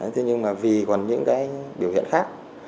thế nhưng mà vì còn những cái biểu hiện khác